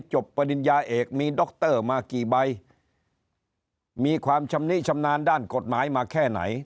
ปริญญาเอกมีดรมากี่ใบมีความชำนิชำนาญด้านกฎหมายมาแค่ไหน